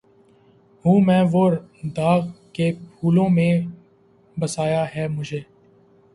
ہوں میں وہ داغ کہ پھولوں میں بسایا ہے مجھے